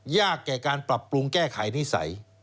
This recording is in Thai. แก่การปรับปรุงแก้ไขนิสัย